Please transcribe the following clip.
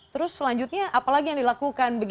terus selanjutnya apa lagi yang dilakukan